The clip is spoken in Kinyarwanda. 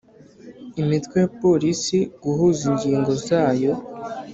Imitwe ya Polisi guhuza ingingo zayo